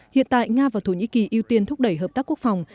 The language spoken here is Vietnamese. hiện tại nga và thổ nhĩ kỳ ưu tiên thúc đẩy hợp tác quốc phòng